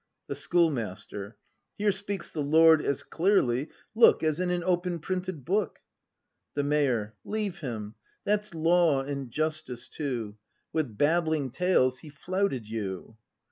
The Schoolmaster. Here speaks the Lord as clearly, look, As in an open printed book! The Mayor. Leave him; that's law and justice too; With babbling tales he flouted you.